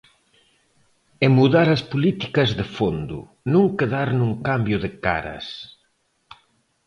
E mudar as políticas de fondo, non quedar nun cambio de caras.